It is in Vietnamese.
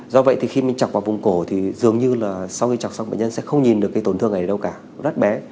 do vậy thì khi mình chọc vào vùng cổ thì dường như là sau khi chọc xong bệnh nhân sẽ không nhìn được cái tổn thương này đâu cả rất bé